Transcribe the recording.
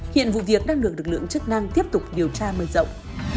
hiện vụ việc đang được lực lượng chức năng tiếp tục điều tra mở rộng